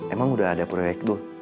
emang udah ada proyek tuh